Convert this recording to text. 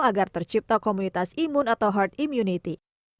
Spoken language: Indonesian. agar tercipta komunitas imun atau herd immunity